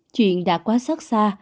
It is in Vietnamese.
chuyện đã quá xót xa